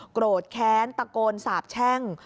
โกรธแค้นตะโกนสาบแช่ง